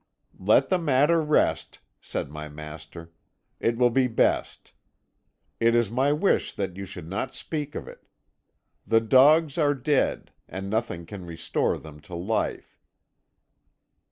"'Let the matter rest,' said my master; 'it will be best. It is my wish that you do not speak of it. The dogs are dead, and nothing can restore them to life.